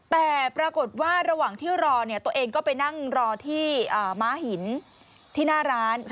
แต่ปรากฏว่าระหว่างที่รอตัวเองก็ไปนั่งรอที่ม้าหินที่หน้าร้าน